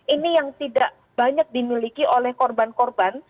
ini yang tidak banyak dimiliki oleh korban korban